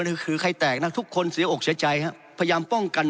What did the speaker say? นี่คือไข่แตกน่ะทุกคนเสียอกชัยใจฮะพยายามป้องกัน